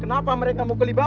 kenapa mereka mukuli bapak